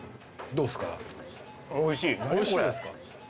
どうですか？